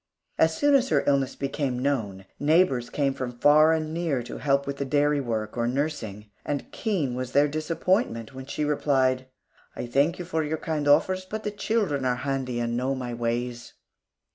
As soon as her illness became known, neighbors came from far and near to help with the dairy work or nursing; and keen was their disappointment when she replied, "I thank you for your kind offers, but the children are handy and know my ways."